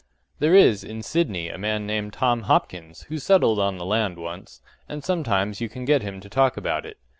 There is in Sydney a man named Tom Hopkins who settled on the land once, and sometimes you can get him to talk about it.